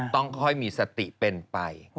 ต้องค่อยมีสติเป็นไป